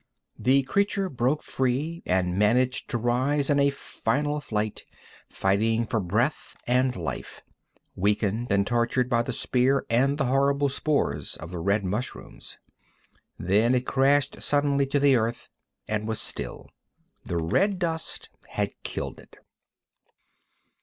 The creature broke free and managed to rise in a final flight, fighting for breath and life, weakened and tortured by the spear and the horrible spores of the red mushrooms. Then it crashed suddenly to the earth and was still. The red dust had killed it.